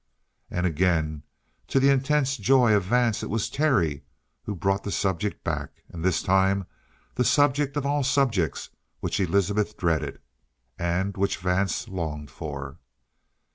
And again, to the intense joy of Vance, it was Terry who brought the subject back, and this time the subject of all subjects which Elizabeth dreaded, and which Vance longed for.